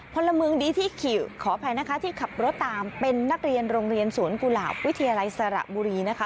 พลเมืองดีที่ขี่ขออภัยนะคะที่ขับรถตามเป็นนักเรียนโรงเรียนสวนกุหลาบวิทยาลัยสระบุรีนะคะ